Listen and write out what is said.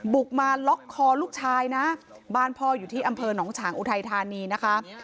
บุกมาล็อกคอลูกชายนะบ้านพ่ออยู่ที่อำเภอหนองฉางอุทัยธานีนะคะ